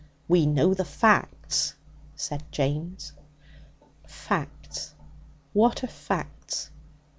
'We know the facts,' said James. 'Facts! What are facts?